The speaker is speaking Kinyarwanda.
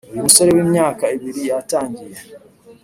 Uyu musore w’imyaka ibiri yatangiye